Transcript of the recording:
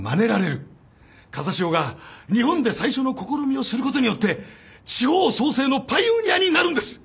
風汐が日本で最初の試みをすることによって地方創生のパイオニアになるんです！